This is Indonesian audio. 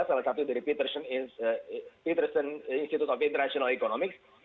salah satu dari petration institute of international economics